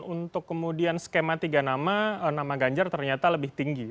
untuk kemudian skema tiga nama nama ganjar ternyata lebih tinggi